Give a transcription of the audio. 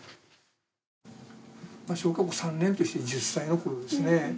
小学校３年として１０歳のころですね。